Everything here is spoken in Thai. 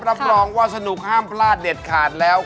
รับรองว่าสนุกห้ามพลาดเด็ดขาดแล้ว